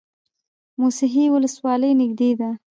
موسهي ولسوالۍ نږدې ده؟